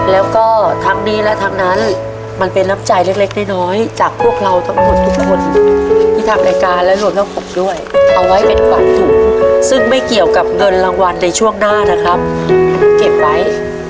แล้วก็ทั้งนี้และทั้งนั้นมันเป็นน้ำใจเล็กน้อยจากพวกเราทั้งหมดทุกคนที่ทำรายการและรวมทั้งผมด้วยเอาไว้เป็นขวัญถุงซึ่งไม่เกี่ยวกับเงินรางวัลในช่วงหน้านะครับเก็บไว้